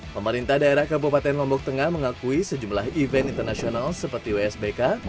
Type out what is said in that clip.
pemerintah daerah kabupaten lombok tengah mengakui sejumlah event internasional seperti wsbk